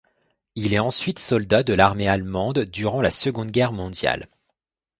Il est ensuite soldat de l'armée allemande durant la Seconde Guerre mondiale.